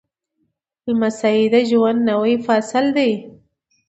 لمسی د ژوند نوی فصل دی.